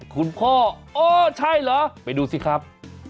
คุณพ่อโอ้ใช่เหรอไปดูสิครับ